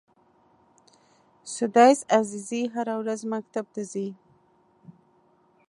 سُدیس عزیزي هره ورځ مکتب ته ځي.